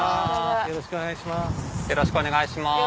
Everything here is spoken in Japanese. よろしくお願いします。